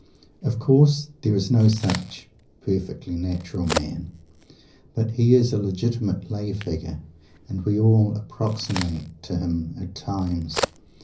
Of course, there is no such "perfectly natural man," but he is a legitimate lay figure, and we all approximate to him at times.